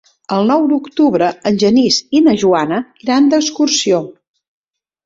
El nou d'octubre en Genís i na Joana iran d'excursió.